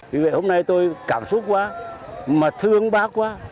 vì vậy hôm nay tôi cảm xúc quá mà thương bác quá